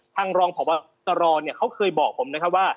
ทางรองผัววัตรรอเขาเคยบอกผมนะคะว่า